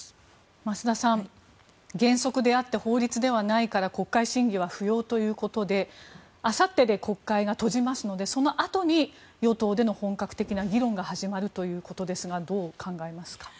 増田さん原則であって法律ではないから国会審議は不要ということであさってで国会が閉じますのでそのあとに与党での本格的な議論が始まるということですがどう考えますか。